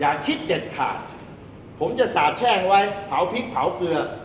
อย่าคิดเด็ดขาดผมจะสาบแช่งไว้เผาพริกเผาเกลือ